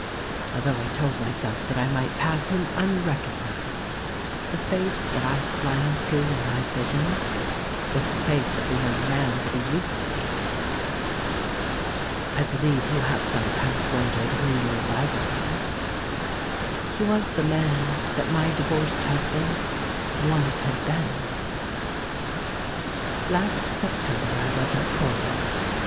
Although I told myself that I might pass him unrecognised, the face that I smiled to in my visions was the face of the young man that he used to be. I believe you have sometimes wondered who your rival was. He was the man that my di vorced husband once had been. Last September I was at Pourville.